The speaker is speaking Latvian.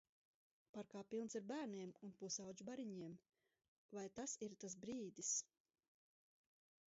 Parkā pilns ar bērniem un pusaudžu bariņiem. Vai tas ir tas brīdis.